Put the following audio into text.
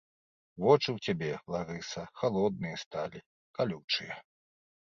Вочы ў цябе, Ларыса, халодныя сталі, калючыя